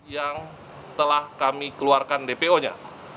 yang telah kami keluarkan dpo nya